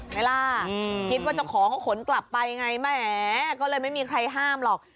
ไหมล่ะคิดว่าเจ้าของเขาขนกลับไปไงแหมก็เลยไม่มีใครห้ามหรอก